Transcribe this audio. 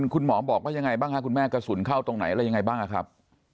คุณหมอบอกว่ายังไงบ้างคะคุณแม่กระสุนเข้าตรงไหนอะไรยังไงบ้างครับ